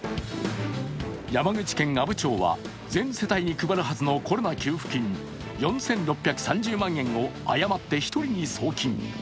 山口県阿武町は全世帯に配るはずのコロナ給付金４６３０万円を誤って１人に送金。